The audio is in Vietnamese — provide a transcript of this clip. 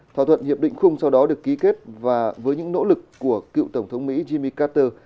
thỏa thuận hiệp định khung sau đó được ký kết và với những nỗ lực của cựu tổng thống mỹ jimi carter